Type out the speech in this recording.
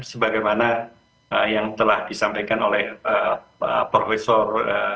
sebagaimana yang telah disampaikan oleh profesor